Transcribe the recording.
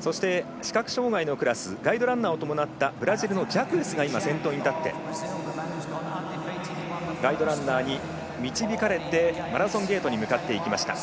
そして視覚障がいのクラスガイドランナーを伴ったブラジルのジャクエスが先頭でガイドランナーに導かれながら向かっていきました。